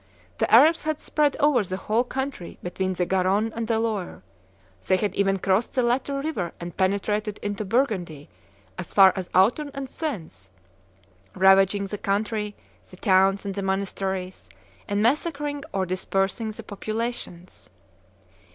The Arabs had spread over the whole country between the Garonne and the Loire; they had even crossed the latter river and penetrated into Burgundy as far as Autun and Sens, ravaging the country, the towns, and the monasteries, and massacring or dispersing the populations.